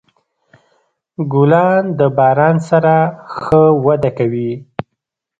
ګلان د باران سره ښه وده کوي.